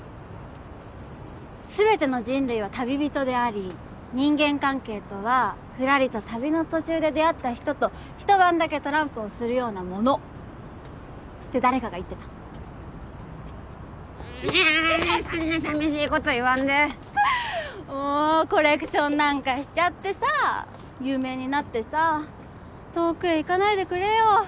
すべての人類は旅人であり人間関係とはふらりと旅の途中で出会った人と一晩だけトランプをするようなものって誰かが言ってたうんそんな寂しいこと言わんでもうコレクションなんかしちゃってさ有名になってさ遠くへ行かないでくれよ